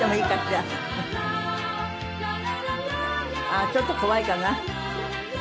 ああーちょっと怖いかな。